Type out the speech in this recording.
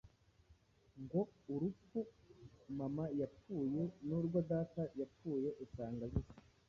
Ngo urupfu mama yapfuye n’urwo data yapfuye usanga zisa,